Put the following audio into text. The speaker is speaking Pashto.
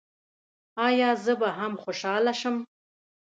ایا زه به هم خوشحاله شم؟